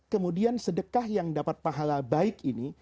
kemudian sedekah yang dapat pahala baik ini